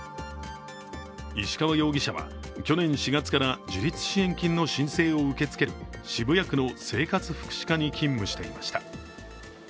石川容疑者は去年４月から自立支援金の申請を受け付ける渋谷区の生活福祉課に勤務していました。